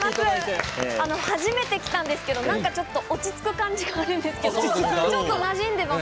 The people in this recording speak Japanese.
初めて来たんですけど落ち着く感じがあるんですけどちょっとなじんでます。